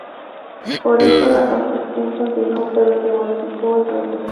Por esto, la construcción continuó pero se modificó el proyecto.